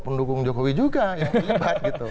pendukung jokowi juga yang terlibat gitu